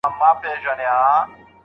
آیا شخصي راز تر عام راز پټ دی؟